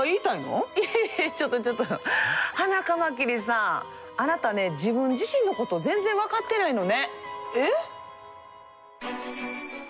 いえいえちょっとちょっとハナカマキリさんあなたね自分自身のこと全然分かってないのね。